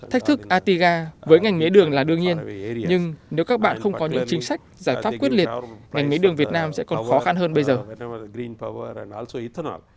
thách thức atiga với ngành mía đường là đương nhiên nhưng nếu các bạn không có những chính sách giải pháp quyết liệt ngành mía đường việt nam sẽ còn khó khăn hơn bây giờ